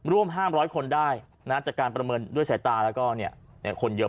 ร่วมห้ามร้อยคนได้นะจากการประเมินด้วยสายตาแล้วก็เนี่ยคนเยอะ